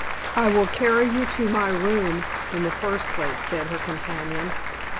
"I will carry you to my room, in the first place," said her companion.